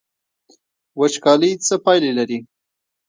وچکالي څه پایلې لري؟